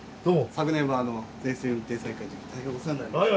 昨年は全線運転再開という大変お世話になりました。